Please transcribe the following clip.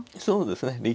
そうですね